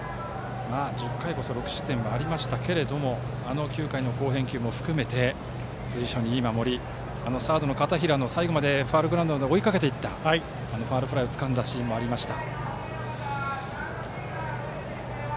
１０回こそ６失点ありましたが９回の好返球も含めていいプレーがありましたしサードの片平が最後までファウルグラウンドまで追いかけていってファウルフライをつかんだシーンもありました。